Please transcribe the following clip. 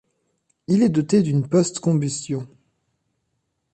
Il est doté d'une postcombustion.